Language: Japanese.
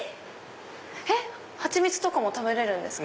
蜂蜜とかも食べれるんですか？